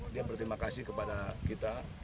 dia berterima kasih kepada kita